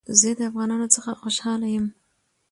زه د افغانانو څخه خوشحاله يم